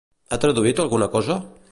Ha traduït alguna cosa?